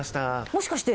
もしかして。